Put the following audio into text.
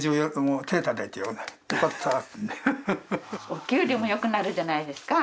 お給料も良くなるじゃないですか。